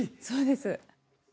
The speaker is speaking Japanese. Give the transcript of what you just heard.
そうです。